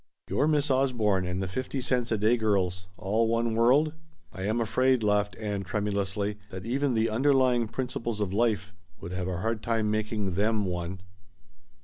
"Your Miss Osborne and the fifty cents a day girls all one world? I am afraid," laughed Ann tremulously, "that even the 'underlying principles of life' would have a hard time making them one."